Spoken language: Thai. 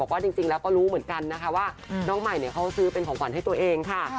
ว่าจริงแล้วก็รู้เหมือนกันนะคะว่าน้องใหม่เขาซื้อเป็นของขวัญให้ตัวเองค่ะ